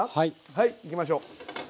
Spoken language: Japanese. はいいきましょう。